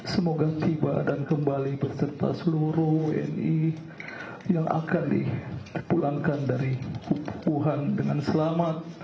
semoga tiba dan kembali beserta seluruh wni yang akan dipulangkan dari wuhan dengan selamat